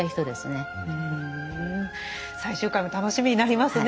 最終回も楽しみになりますね。